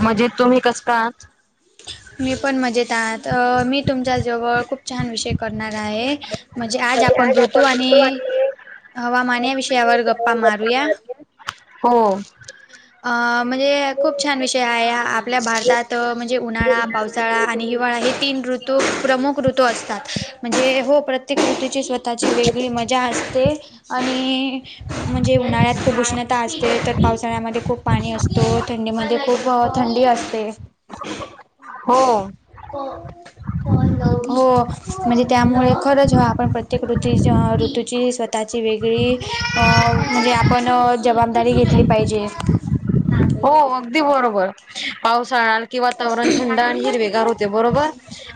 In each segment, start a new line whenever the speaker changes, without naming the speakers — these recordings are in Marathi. म्हणजे तुम्ही कस का आहात
मी पण मजेत आहात मी तुमच्या जवळ खूप छान विषय करणार आहे. म्हणजे आज आपण ऋतू आणि हवामान या विषयावर गप्पा मारूया.
हो [inaudible]
अ म्हणजे खूप छान विषय आहे आपल्या भारतात अ म्हणजे उन्हाळा पावसाळा साळा आणि हिवाळा हे तीन ऋतू प्रमुख ऋतू असतात म्हणजे [unintelligible] हो प्रत्येक ऋतूची स्वतः आता ची वेगळी मजा असते आणि म्हणजे उन्हाळ्यात [unintelligible] ते उष्णता असते तर पावसाळ्यामध्ये खूप पाणी असतो थंडीमध्ये खूप थंडी असते
हो
[unintelligible] हो म्हणजे त्यामुळे खरंच आपण प्रत्येक ऋत ऋतूची स्वतःची वेगळी [unintelligible] अ म्हणजे आपण जबाबदारी घेतली पाहिजे
हो अगदी बरोबर पावसाळा कि वातावरण थंड आणि हिरवेगार होते बरोबर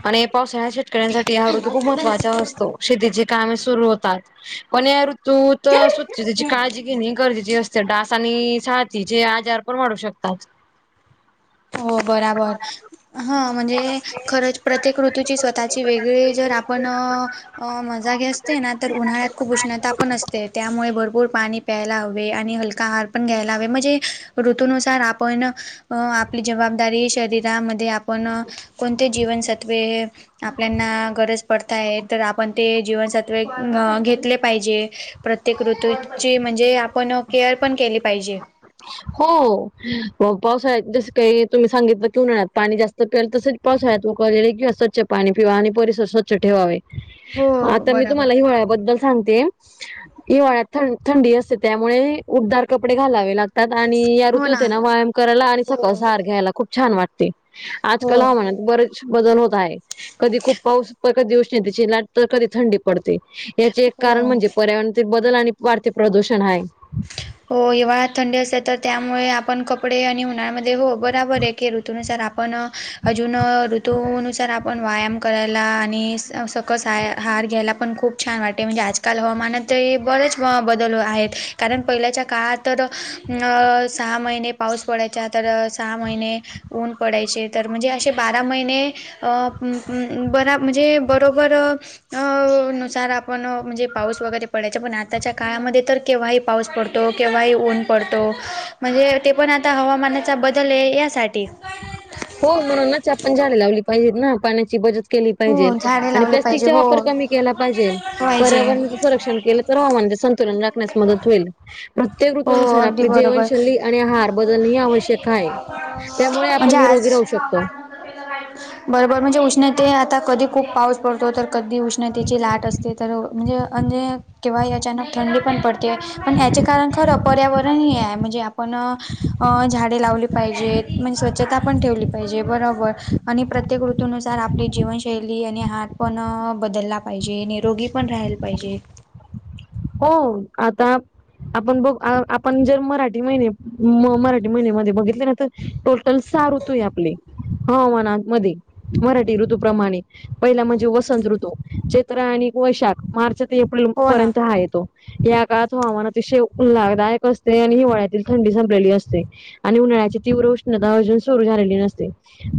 आणि पावसाळ्यात शेतकऱ्यांसाठी हा ऋतू खूप महत्त्वाचा असतो. शेतीचे काम सुरू होतात. पण या ऋतूत स्वच्छतेची काळजी घेणे गरजेची असते डास आणि साथीचे आजार. [unintelligible] वाढू शकतात
हो बराबर [inaudible] हा म्हणजे खरंच प्रत्येक ऋतूची स्वतःची वेगळी जर आपण. अ मजा घेत असते, ना तर उन्हाळ्यात खूप उष्णता पण असते, त्यामुळे भरपूर पाणी. प्यायला हवे आणि हलका आहार पण घ्यायला, ह म्हणजे ऋतनुसार आपण आपली जबाबदारी शरीरामध्ये आप आपण कोणते जीवनसत्वे आपल्याना गरज पडत आहे तर आपण ते जीवनसत्व घेतले [unintelligible] पाहिजे, प्रत्येक ऋतूची म्हणजे. आपण केअर पण केली पाहिजे.
हो... पावसाळ्यात जस काही, तुम्ही सांगितलं की उन्हाळ्यात पाणी जास्त प्याल तस. पावसाळ्यात उकळलेले किंवा स्वच्छ पाणी पिवा आणि परिसर स्वच्छ ठेवावे.
हो
आता मी
बराबर
तुम्हाला हिवाळ्याबद्दल. सांगते हिवाळ्यात थंडी असते, त्यामुळे उबदार कपडे घालावे लागत. आणि या
हो ना
ऋतूतेना व्यायाम करायला आणि
हो.
सकस आहार घ्यायला खूप छान वाटतं. ते
हो
आजकाल हवामानात बरेच बदल होत आहे, कधी खूप पाऊस, कधी उष्णतेची लाट, तर कधी थंडी पडते. याचे एक
हो
कारण म्हणजे पर्यावरणचे बदल, आणि वाढते प्रदूषण आहे.
हो हिवाळ्यात थंडी असते, तर त्यामुळे आपण कपडे आणि उन्हाळ्यामध्ये हो बरोबर आहे. की ऋतनुसार आपण अजून ऋतूननुसार आपण व्यायाम करायला आणि स स सकस आहार घ्यायला पण खूप छान वाटते, म्हणजे आजकाल हवामानात बरेच बदल आहेत. कारण पहिल्याच्या काळात, तर सहा महिने पाऊस पडायचा तर सहा महिने, ऊन पडायचे तर म्हणजे असे बारा महिने. बरा म्हणजे बरोबर. अ नुसार आपण म्हणजे, पाऊस वगैरे पडायचा पण आताच्या काळामध्ये तर केव्हा- पाऊस पडतो केव्हाही ऊन पडतो, म्हणजे ते पण आता हवामानाचा बदल आहे यासाठी.
हो म्हणूनच आपण झाडे लावली पाहिजेत ना पाण्याची बचत. केली पाहिजे
हो झाडे
आणि
लावले पाहिजे
प्लास्टिकच्या
हो
वापर कमी केला पाहिजे
पाहिजे
पर्यावरण संरक्षण केलं तर हवामानाचे संतुलन राखण्यास मदत होईल. प्रत्येक
हो
ऋतूनुसार
अगदी
आपली
बरोबर
जीवनशैली आणि आहार बदलणे ह आवश्यक आहे. त्यामुळे आपण
म्हणजे
निरोगी
आज
राहू शकतो.
[unintelligible] बरोबर म्हणजे उष्णेत आता कधी खूप पाऊस पडतो तर, कधी उष्णतेची लाट असते तर म्हणजे अणजे. किंवा अचानक थंडी पण पडती आहे, पण याचे कारण खरं पर्यावरण ह आहे म्हणजे आपण. अ झाडे लावली पाहिजेत, म्हणजे स्वच्छता पण ठेवली पाहिजे बरोबर. आणि प्रत्येक ऋतनुसार आपली, जीवनशैली आणि हात पण बदलला पाहिजे निरोगी पण राहिला. बाजे.
हो आता. आपण बघ आपण जर मराठी महिने मराठी महिन्यामध्ये बघितले ना तर. टोटल सहा ऋतू आहे आपले हवामानामध्ये. मराठी ऋतूप्रमाणे पहिला म्हणजे, वसंत ऋतू चेत्र आणि वैशाख मार्च. ते
हो ना
पर्यंत आहेत. या काळात हवामान अतिशय उललागदायक असते, आणि हिवाळ्यातील थंडी संपलेली असते. आणि उन्हाळ्याची तीव्र उष्णता अजून सुरू झालेली नसते.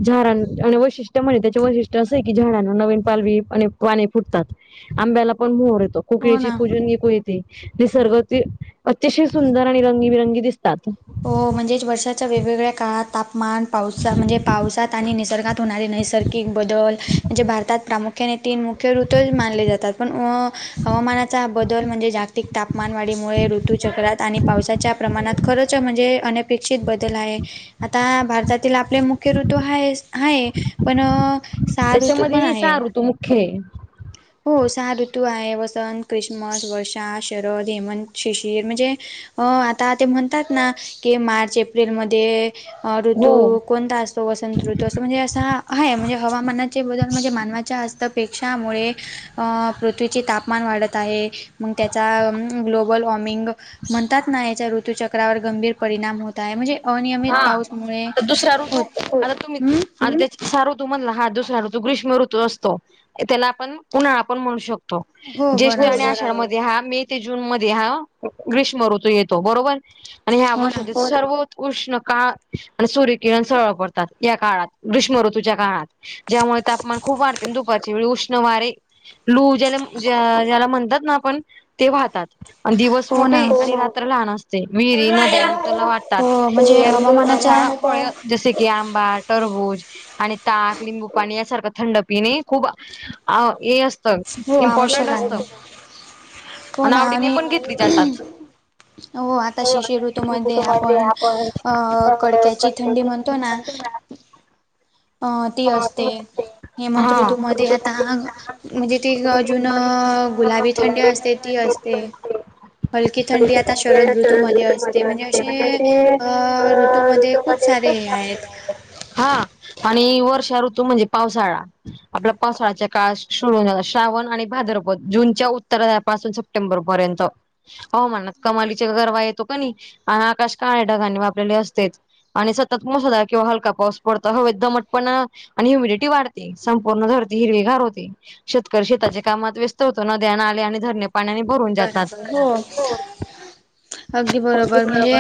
झाडां आणि वैशिष्ट्य म्हणे त्याचे वैशिष्ट्य असं आहे, की झाडांना नवीन पालवी आणि पाणी फुटतात. आंब्याला पण मोर येतो.
हो
कुकळीची
ना
कुजून नििकू येते ते सर्ग अतिशय सुंदर आणि रंगीबिरंगी दिस ात [unintelligible]
हो म्हणजेच वर्षाच्या वेगवेगळ्या काळात तापमान पावसा म्हणजे, पावसात आणि निसर्गात. होणारे नैसर्गिक बदल म्हणजे भारतात प्रामुख. मुख्याने तीन मुख्य ऋतू मानले जातात, पण हवामानाचा बदल म्हणजे जागतिक. तापमानवाढीमुळे ऋतूचक्रात आणि पावसाच्या प्रमाणात खरंच. म्हणे अपेक्षित बदल आहे आता भार तला आपले मुख्य ऋतू आहे आहे, पण सार ऋतू पण आहे.
सारू तू मुख्य.
ह हो सहा ऋतू आहे वसंत क्रिसमस वर्षा शरद हेमंत शिशिर म्हणजे अ आता ते म्हणतात ना की मार्च एप्रिलमध्ये ऋतू
हो
कोणता असतो वसंत ऋत अस म्हणजे असा आहे म्हणजे हवामानाचे बदल म्हणजे मानवाच्या हस्तपेक्षामुळे पृथ्वीचे तापमान वाढत आहे मग त्याचा ग्लोबल वॉर्मिंग म्हणतात ना याच्या ऋतूचक्रावर गंभीर परिणाम होत आहे म्हणजे अनियमित
हा
पाऊसमुळे
आता दुसरा्या
हो
ऋजू तुम्ही
हम्म
आणि त्या हा ऋतू म्हणला हा दुसरा ऋतू ग्रीषम ऋतू असतो त्याला आपण उ्हाळाण म्हणू शकतो
हो
ज्येष्ठ आणि
बराबर
आषाढ मध्ये हा मे ते जून मध्ये हा ग्रीष्म ऋतू येतो बरोबर आणि ह
हो ना
अवशध त सर्व उष्ण काळ आणि सूर्य किरण सरळ पडतात या काळात ग्रीष्म ऋतूच्या काळात ज्यामुळे तापमान खूप वाढते दुपच उष्ण वारे लू ज्याला ज्याला म्हणतात ना आपण ते वाहतात दिवस
हो
मोठे
ना
आणि रात्र लहान असते विहिरी नद्या आणि त्याला वाटतात
हो म्हणजे हवामानाच्या
साळा फळे जैसे की आंबा तरबूज आणि ताक लिंबू पाणी यासारखं थंडपिणे खूप अस
हो
इम्पॉर्टंट
आवश्यक
असत
आहे हो
आणि
ना
आवडीने पण घेतली जातच
हो आता शिष्य ऋतूमध्येध्ये आपण अ कडक्याची थंडी म्हणतो ना अ ती असते हेमंत
हा
ऋतू मध्ये आता म्हणजे ती अजून गुलाबी थंडी असते ती असते हलकी थंडी आता शरद ऋतूमध्येध्ये असते म्हणजे असे अ ऋतूमध्ये खूप सारे हे आहेत
हा आणि वर्षा ऋतू म्हणजे पावसाळा आपल्या पावसळा्याच्या काळ शोडून ज श्रावण आणि भाद्रपद जूनच्या उत्तरापासून सप्टेंबर पर्यंत हो म्हणत कमालीच्या गरवा येतो का नाही, आणि आकाश काळ्या ढगानी वापरले असते. आणि सतत मोसा किंवा हलका पाऊस पडता हव दमट पण आणि ह्युमिडिटी वाढते संपूर्ण धरती हिरवी घार होते. शेतकरी शेताच्या कामात व्यस्त होतो नद्या नाले आणि धरणे. पाण्याने भरून जातात
बराबर हो! अगदी बरोबर म्हणजे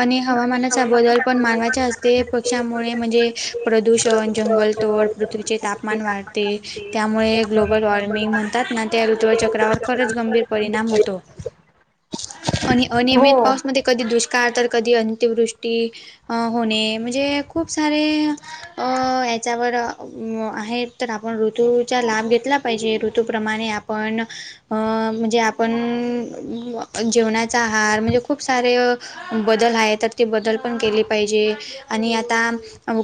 आणि हवामानाचा बदल पण मानवाच्या अस, ते पक्षामुळे म्हणजे प्रदूषण जंगलतोड पृथ्वीचे तापमान वाढते. त्यामुळे ग्लोबल वॉर्मिंग म्हणतात ना, त्या ऋतू चक्रावर खरंच गंभीर परिणाम होतो. आणि अनियमित
हो
पाऊसमध्ये कधी दुष्काळ तर कधी अंत्यवृष्टी अ होणे. म्हणजे खूप सारे अ हच्यावर आहेत तर आपण ऋतूचा लाभ घेतला पाहिजे ऋतूप्रमाणे आपण. अं म्हणजे आपण जेवणाचा आहार म्हणजे खूप सारे बदल आहे तर ती बदल पण केले पाहिजे. आणि आता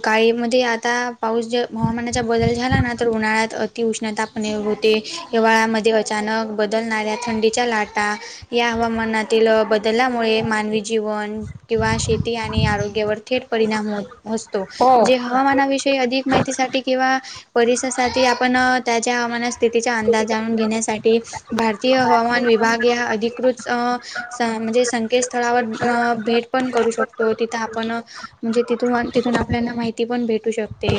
काळी म आता पाऊस ज हवामानाचा बदल झाला ना! उन्हाळ्यात अति उष्णतापणे होते हिवाळमध्ये अचानक बदलणाऱ्या, थंडीच्या लाटा या हवामानातील बदलामुळे मानवी जीवन. किंवा शेती आणि आरोग्यावर थेट परिणाम हो असतो.
हो
जे हवामानाविषयी अधिक माहितीसाठी किंवा परिस आपण त्याच्या हवामान स्थितीचा अंदाज जाणून घेण्यासाठी भार भारतीय हवामान विभागा अधिकृत स म्हणजे संकेतस्थळावर भेट पण करू शकतो. तिथं आपन म्हणजे तिथून तिथून आपल्यानां माहिती पण भेटु शकते.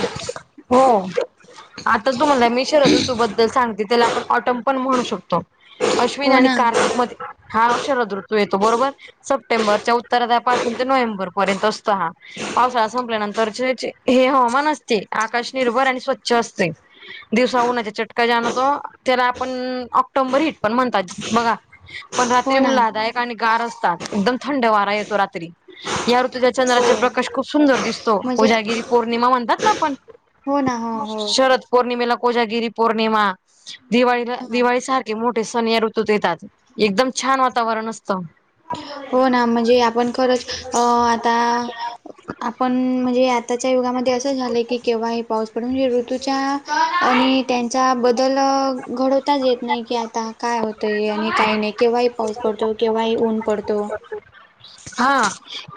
हो आता तुम्हाला मी शरद ऋतूबद्दल सांगते त्याला आपण ऑटोम पण म्हणू शकतो. अश्विन
हो
आणि
ना
कार्तिक मध्ये हा शरद ऋतू येतो बरोबर! सप्टेंबरच्या उत्तरार्धापासून ते नोव्हेंबर पर्यंत असतो हा. पावसाळा संपल्यानंतर हे हवामान असते आकाश निर्भर आणि स्वच्छ असते. दिवसा उन्हाच्या चटका जाणवतो, त्याला आपण ऑक्टोंबर हिट पण म्हणतात बघा. पण रात्री
हो ना
उल्हादायक आणि गार असतात एकदम थंड वारा येतो रात्री. या ऋतूच्या
हो
चंद्राचे प्रकाश खूप सुंदर दिसतो.
म्हणजे
उजागिरी पौर्णिमा म्हणतात ना आपण.
हो ना! हो!
शरद पौर्णिमेला कोजागिरी पौर्णिमा
हो
दिवाळीला दिवाळी सारख मोठे सन्या ऋतूत येतात एकदम छान वातावरण असतं.
हो ना म्हणजे, आपण खरंच अ आता आपण म्हणजे आताच्या युगामध्ये असं झालंय की केव्हा हे पाऊस पडुन ही ऋतूच्या आणि त्यांचा बदल घडवताच येत नाही, की आता काय होतंय आणि काही नाही केव्हाही पाऊच फट [inaudible]
हा!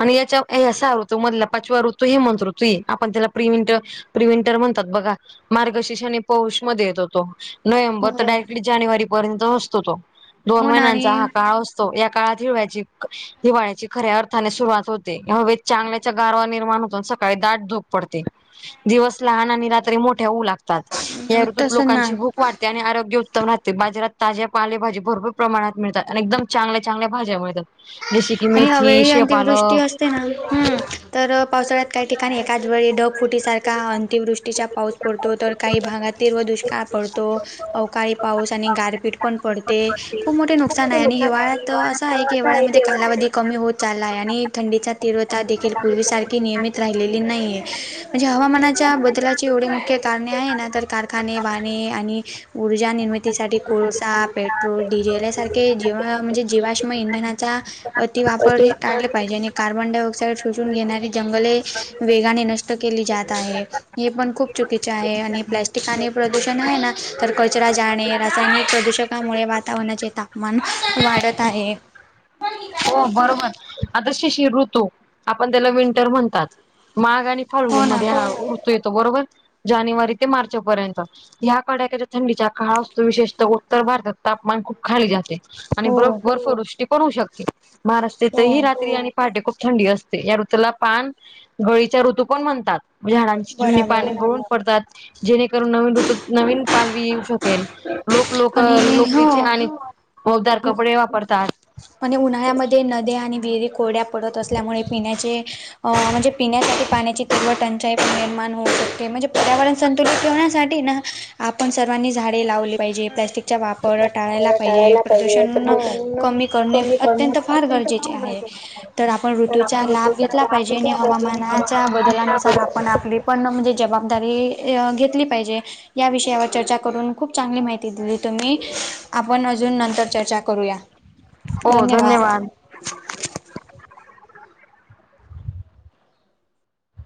आणि याचा या सहा ऋतू मधला पाचवा ऋतू हे म्हंत ऋतू आपण त्याला प्रि विंट प्रि विंटर म्हणतात बघा मार्गशीष आणि पौष मध्ये येतो तो. नोव्हेंबर तर
हो
डायरेक्टली जानेवारीपर्यंत असतो तो. दोन
हो ना
महिन्यांचा हा
आणि
काळ असतो या काळात हिवाळ्याची हिवाळ्याची खऱ्या अर्थाने सुरुवात होते. हवेत चांगल्याच्या गारवा निर्माण होतून सकाळी दाट धूक पडते. दिवस लहान आणि रात्री मोठ्या होऊ लागतात या ऋतूत
तसं ना
लोकांची भुक वाढते, आणि आरोग्य उत्तम राहते बाजारात ताज्या पालेभजी भरपूर प्रमाणात मिळते. आणि एकदम चांगल्या चांगल्या भाज्या मिळतात. जसे की
आणि
मेथी,
हवेळी अंतिमदृष्टी
शेपालक
असते ना हम् तर पावसाळ्यात. काही ठिकाणी एकाच वेळी ढग फुटीसारखा अतिवृष्टीचा पाऊस पडतो. तर काही भागात तीव्र दुष्काळ पडतो. अवकाळी पाऊस आणि गारपीट पण पडते खुप मोठे नुक नुकसान आहे आणि हिवाळ्यात असं आहे की हिवाळ्यामध्ये कालावधी कमी होत चालला आहे आणि थंडीचा तीव्रता देखील पुर्वीसारखी नियमित राहिलेली नाही ये म्हणजे हवामानाच्या बदलाची एवढी मोठे कारणे आहे ना तर कारखाने वाहने आणि ऊर्जा निर्मितीसाठी कोळसा पे पेट्रोल डिझेल यासारखे जीव म्हणजे जीवाश्म इंधनाचा अति वापर हे टाळले पाहि ज्याने कार्बन डाय ऑक्साइड शोषुन घेणारी जंगले वेगाने नष्ट केली जात आहे. हे पण खुप चुकीचे आहे आणि प्लॅस्टिक आणि प्रदूषण आहे ना तर कचरा जाणे रासायनिक प्रदुषण त्यामुळे वातावरणाचे तापमान वाढत आहे
हो बरोबर आता शशीर ऋतू आपण त्याला विंटर म्हणतात माघ आणि
हो
फाल्गुन
ना
मध्ये हा ऋतू येतो बरोबर जानेवारी ते मार्च पर्यंत ह्या कडाक्याच्या थंडीच्या काळ असतो विशेषत उत्तर भारतात तापमान खुप खाली जाते. आणि
हो
बर्फ बर्फवृष्टी पण होऊ शकते
हो
महाराष्ट्रेतही रात्री आणि पहाटे खुप थंडी असते या ऋतूला पान घोडीचा ऋतू पण म्हणतात झाडांची पा जुनी
बराबर
पाणी गळुन पडतात जेणेकरून नवीन ऋतुत नवीन पालवी येऊ शकेल लोक लोक
आणि
लोकरीचे आणि
हो
ऊबदार कपडे वापरतात
आणि उन्हाळ्यामध्ये नद्या आणि विहिरी कोरड्या पडत असल्यामुळे पिण्याचे अ म्हणजे पिण्यासाठी पाण्याची तुळवट अन निर्माण होऊ शकते म्हणजे पर्यावरण संतुलित ठेवण्यासाठी ना आपण सर्वांनी झाडे लावली पाहिजे प्लास्टिकचा वापर टाळायला पाहिजे प्रदूषण करने अत्यंत फार गरजेचे आहे तर आपण ऋतूचा लाभ घेतला पाहि जेनी हवामानाच्या बदलानुसार आपण आप आपली पण म्हणजे जबाबदारी घेतली पाहिजे. या विषयावर चर्चा करून खूप चांगली माहिती दिली तुम्ही आपण अजून नंतर चर्चा करूया.
हो धन्यवाद.